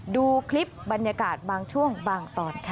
ดูคลิปบรรยากาศบางช่วงบางตอนค่ะ